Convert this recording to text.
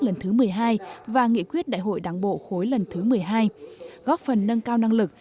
lần thứ một mươi hai và nghị quyết đại hội đảng bộ khối lần thứ một mươi hai góp phần nâng cao năng lực